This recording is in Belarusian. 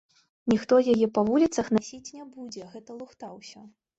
Ніхто яе па вуліцах насіць не будзе, гэта лухта ўсё.